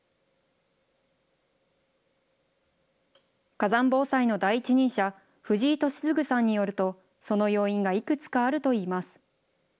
火山防災の第一人者、藤井敏嗣さんによると、その要因がいくつかあるといいます。